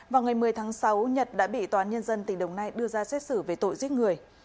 vào ngày một mươi tháng sáu nhật đã bị tòa án nhân dân tỉnh đồng nai đưa ra xét xử về tội giết người